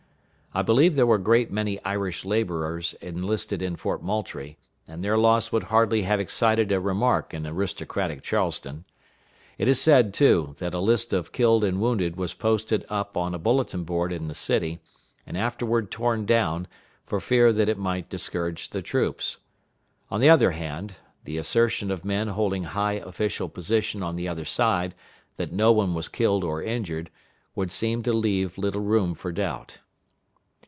I believe there were a great many Irish laborers enlisted in Fort Moultrie, and their loss would hardly have excited a remark in aristocratic Charleston. It is said, too, that a list of killed and wounded was posted up on a bulletin board in the city, and afterward torn down, for fear that it might discourage the troops. On the other hand, the assertion of men holding high official position on the other side, that no one was killed or injured, would seem to leave little room for doubt.